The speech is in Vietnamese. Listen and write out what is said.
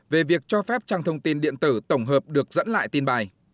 về việc cho phép trang thông tin điện tử tổng hợp được dẫn lại tin bài